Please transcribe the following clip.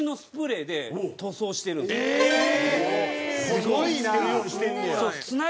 すごいな！